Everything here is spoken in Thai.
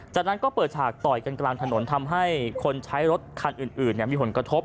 จากนั้นก็เปิดฉากต่อยกันกลางถนนทำให้คนใช้รถคันอื่นมีผลกระทบ